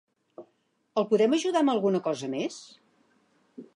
El podem ajudar amb alguna cosa més?